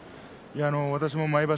私も毎場所